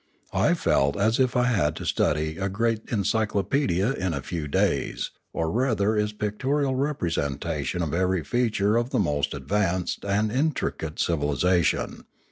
I felt as if I had to study a great encyclopaedia in a few days, or rather its pictorial representation of every feature of the most advanced and intricate civilisation.